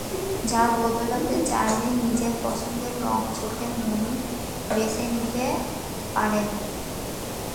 যার বদৌলতে চাইলেই নিজের পছন্দের রঙের চোখের মণি বেছে নিতে পারেন।